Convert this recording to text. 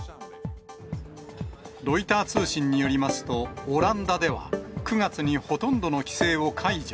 ロイター通信によりますと、オランダでは、９月にほとんどの規制を解除。